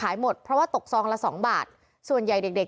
และก็คือว่าถึงแม้วันนี้จะพบรอยเท้าเสียแป้งจริงไหม